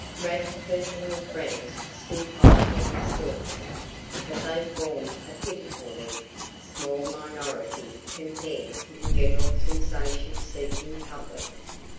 Rad's personal friends stood by him staunchly; but they formed a pitifully small minority compared to the general sensation seeking public.